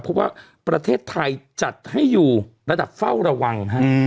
เพราะว่าประเทศไทยจัดให้อยู่ระดับเฝ้าระวังฮะ